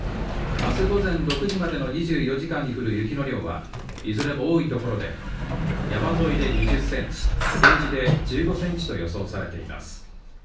あす午前６時までの２４時間に降る雪の量はいずれも多い所で山沿いで２０センチ平地で１５センチと予想されています。